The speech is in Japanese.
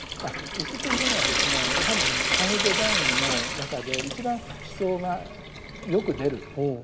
あ椅子というのはですねやはり家具デザインの中で一番思想がよく出る。